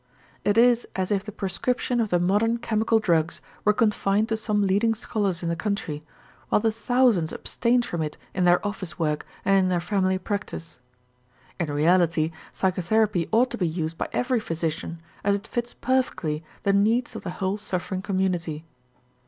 It is as if the prescription of the modern chemical drugs were confined to some leading scholars in the country, while the thousands abstained from it in their office work and in their family practice. In reality psychotherapy ought to be used by every physician, as it fits perfectly the needs of the whole suffering community.